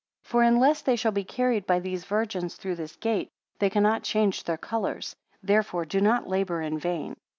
39 For unless they shall be carried by these virgins through this gate, they cannot change their colours: therefore do not labour in vain.